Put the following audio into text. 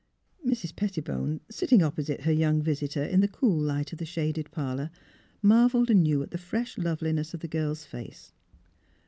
'' Mrs. Pettibone, sitting opposite her young visitor in the cool light of the shaded parlour, marvelled anew at the fresh loveliness of the girl's face.